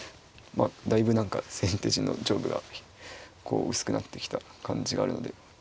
だいぶ何か先手陣の上部が薄くなってきた感じがあるので。